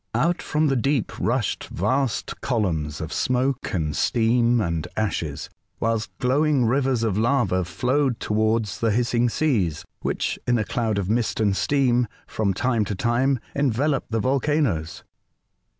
Out from the deep rushed vast columns of smoke and steam and ashes, whilst glowing rivers of lava flowed towards the hissing seas, which, in a cloud of mist and steam, from time to time enveloped the volcanoes.